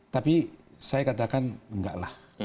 tapi saya katakan enggak lah